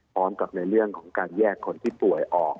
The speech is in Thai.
พร้อมกับในเรื่องของการแยกคนที่ป่วยออก